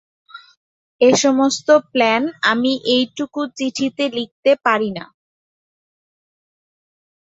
এ সমস্ত প্ল্যান আমি এইটুকু চিঠিতে লিখতে পারি না।